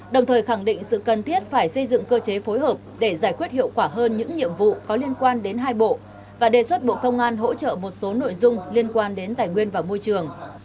đồng thời khẳng định sự cần thiết phải xây dựng cơ chế phối hợp để giải quyết hiệu quả hơn những nhiệm vụ có liên quan đến hai bộ và đề xuất bộ công an hỗ trợ một số nội dung liên quan đến tài nguyên và môi trường